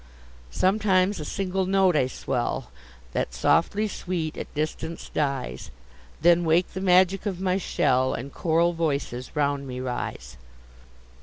Sometimes, a single note I swell, That, softly sweet, at distance dies; Then wake the magic of my shell, And choral voices round me rise!